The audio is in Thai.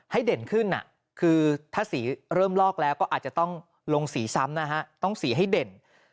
เด่นขึ้นคือถ้าสีเริ่มลอกแล้วก็อาจจะต้องลงสีซ้ำนะฮะต้องสีให้เด่น